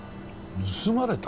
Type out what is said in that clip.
盗まれた？